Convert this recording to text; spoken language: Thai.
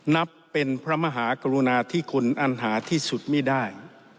นับเป็นพระมหากรุณาที่คุณอันหาที่สุดไม่ได้